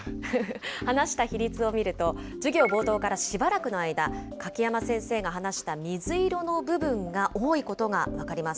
話した比率を見ると、授業冒頭からしばらくの間、柿山先生が話した水色の部分が多いことが分かります。